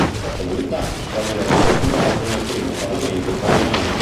Dopo l'Unità venne eletto deputato nel primo Parlamento italiano.